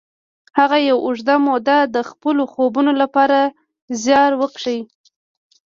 هغه یوه اوږده موده د خپلو خوبونو لپاره زیار وکیښ